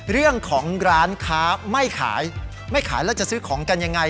เรื่องของร้านค้าไม่ขายไม่ขายแล้วจะซื้อของกันยังไง